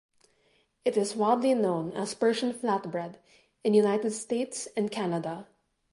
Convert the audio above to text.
It is widely known as Persian Flatbread in United States and Canada.